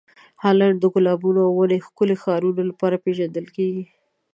هالنډ د ګلابونو او ونې ښکلې ښارونو لپاره پېژندل کیږي.